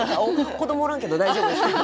子どもおらんけど大丈夫ですか？